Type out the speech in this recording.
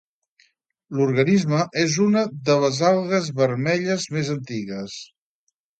L'organisme és una de les algues vermelles més antigues.